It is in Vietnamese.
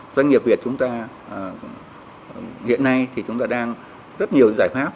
doanh nghiệp việt chúng ta hiện nay thì chúng ta đang rất nhiều giải pháp